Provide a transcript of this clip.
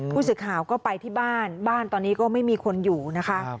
ผู้สื่อข่าวก็ไปที่บ้านบ้านตอนนี้ก็ไม่มีคนอยู่นะคะ